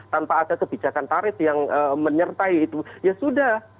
tanpa ada kebijakan tarif yang menyertai itu ya sudah